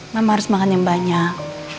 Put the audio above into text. memang harus makan yang banyak